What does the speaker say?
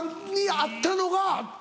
会ったのが。